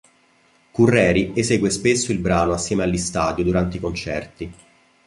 Curreri esegue spesso il brano assieme agli Stadio durante i concerti.